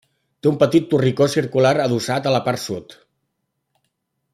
Té un petit torricó circular adossat a la part sud.